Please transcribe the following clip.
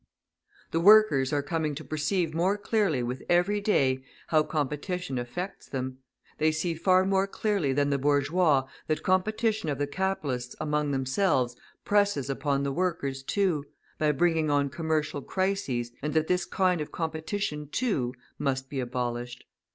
The workers are coming to perceive more clearly with every day how competition affects them; they see far more clearly than the bourgeois that competition of the capitalists among themselves presses upon the workers too, by bringing on commercial crises, and that this kind of competition; too, must be abolished.